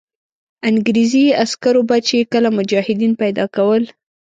انګرېزي عسکرو به چې کله مجاهدین پیدا کول.